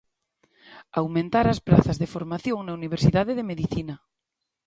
Aumentar as prazas de formación na Universidade de Medicina.